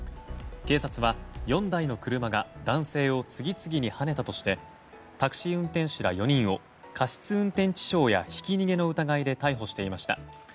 警察は、４台の車が男性を次々にはねたとしてタクシー運転手ら４人を過失運転致傷やひき逃げの疑いで逮捕していました。